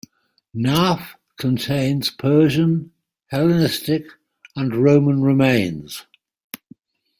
Nahf contains Persian, Hellenistic and Roman remains.